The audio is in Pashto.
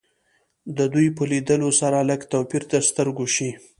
د دوی په لیدو سره لږ توپیر تر سترګو شي